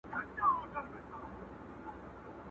بيزو وان پكښي تنها ولاړ هك پك وو،